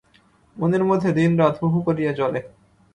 মনের মধ্যে দিনরাত হুহু করিয়া জ্বলে।